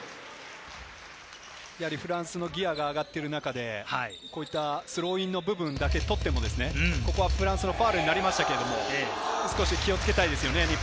フランスのギアが上がっている中で、スローインの部分だけ取っても、フランスのファウルになりましたが、気をつけたいですね。